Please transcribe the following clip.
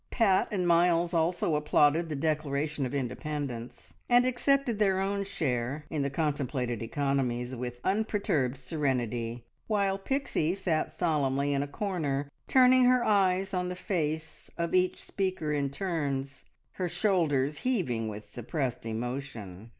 Pat and Miles also applauded the declaration of independence, and accepted their own share in the contemplated economies with unperturbed serenity, while Pixie sat solemnly in a corner, turning her eyes on the face of each speaker in turns, her shoulders heaving with suppressed emotion.